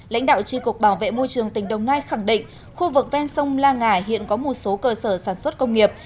lãnh đạo tri cục bảo vệ môi trường tỉnh đồng nai khẳng định khu vực ven sông la ngà hiện có một số cơ sở sản xuất công nghiệp